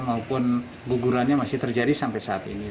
maupun gugurannya masih terjadi sampai saat ini